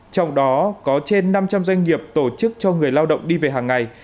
trong đó có trên năm trăm linh doanh nghiệp tổ chức cho người lao động đi về hàng ngày